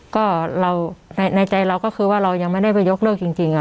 ก็เราในใจเราก็คือว่าเรายังไม่ได้ไปยกเลิกจริง